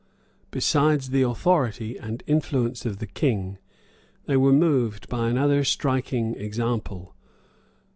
Besides the authority and influence of the king, they were moved by another striking example.